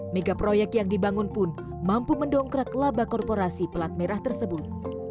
mega proyek yang dibangun pun mampu mendongkrak laba korporasi pelat merah tersebut